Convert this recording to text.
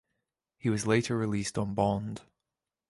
He was later released on bond.